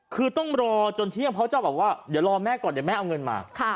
คือต้องรอจนเที่ยงเพราะเจ้าบอกว่าเดี๋ยวรอแม่ก่อนเดี๋ยวแม่เอาเงินมา